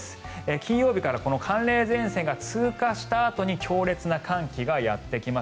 金曜日から寒冷前線が通過したあとに強烈な寒気がやってきます。